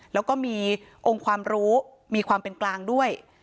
แล้วก็มีองค์ความรู้มีความเป็นกลางด้วย